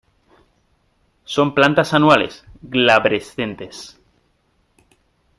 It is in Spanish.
Son plantas anuales, glabrescentes.